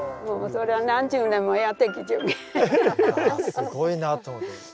すごいなと思って。